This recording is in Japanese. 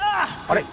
あれ？